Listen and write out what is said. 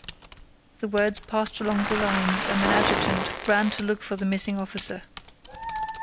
The words passed along the lines and an adjutant ran to look for the missing officer.